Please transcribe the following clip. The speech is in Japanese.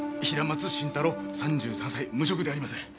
平松伸太郎３３歳無職であります。